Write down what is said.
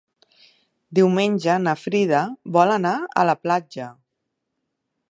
Diumenge na Frida vol anar a la platja.